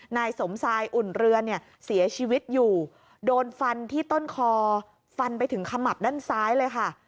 นายสมทรายอุ่นเรือนเนี่ยเสียชีวิตอยู่โดนฟันที่ต้นคอฟันไปถึงขมับด้านซ้ายเลยค่ะ